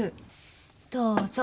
どうぞ。